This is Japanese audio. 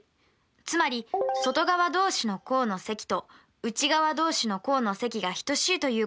つまり外側同士の項の積と内側同士の項の積が等しいということでした。